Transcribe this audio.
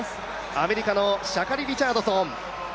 アメリカのシャカリ・リチャードソン。